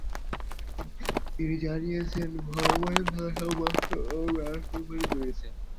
তিনি জানিয়েছেন, ভবনে থাকা সব বাক্স ও ব্যালট পেপারই পুড়ে গেছে।